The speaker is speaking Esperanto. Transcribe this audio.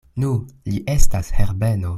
Nu, li estas Herbeno!